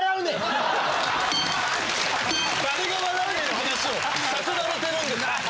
誰が笑うねんいう話をさせられてるんです。